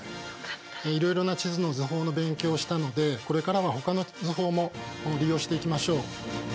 いろいろな地図の図法の勉強をしたのでこれからはほかの図法も利用していきましょう。